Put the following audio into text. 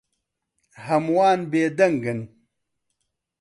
هەمووان بێدەنگن.